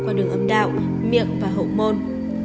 qua đường âm đạo miệng và hậu môn